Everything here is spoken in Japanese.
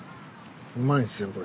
うまいんすよこれ。